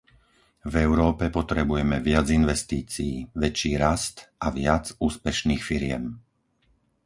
V Európe potrebujeme viac investícií, väčší rast a viac úspešných firiem.